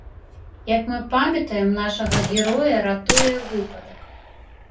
Як мы памятаем, нашага героя ратуе выпадак.